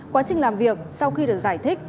quá trình làm việc sau khi được giải thích